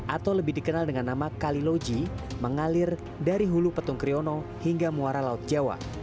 atau lebih dikenal dengan nama kaliloji mengalir dari hulu petung kriono hingga muara laut jawa